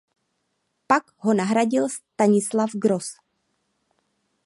Pak ho nahradil Stanislav Gross.